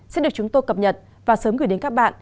sẽ được chúng tôi cập nhật và sớm gửi đến các bạn